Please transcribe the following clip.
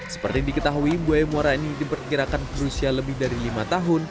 seperti diketahui buaya muara ini diperkirakan berusia lebih dari lima tahun